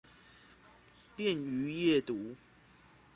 便于阅读